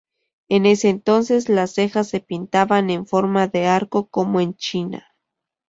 En ese entonces las cejas se pintaban en forma de arco como en China.